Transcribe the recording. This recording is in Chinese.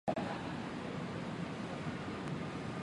出身于群马县高崎市。